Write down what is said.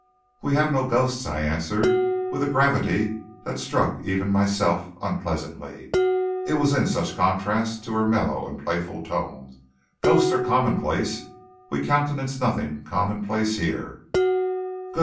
"We have no ghosts," I answered, with a gravity that struck even myself unpleasantly, it was in such contrast to her mellow and playful tones. "Ghosts are commonplace. We countenance nothing commonplace here."